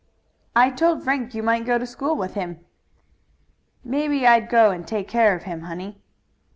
"I told Frank you might go to school with him." "Maybe I'd go and take care of him, honey."